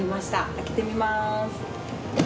開けてみます。